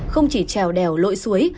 không chỉ trèo đèo lội suối